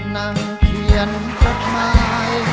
นั่งเคียนรับไม้